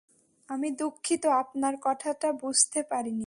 আমি দুঃখিত, আপনার কথাটা বুঝতে পারিনি।